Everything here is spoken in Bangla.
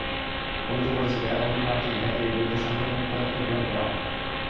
কমিটি বলেছে, জেলা কমিটির মাধ্যমে জাকিরের বিরুদ্ধে সাংগঠনিক পদক্ষেপ গ্রহণ করা হবে।